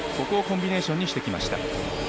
ここをコンビネーションにしてきました。